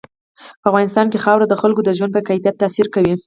په افغانستان کې خاوره د خلکو د ژوند په کیفیت تاثیر کوي.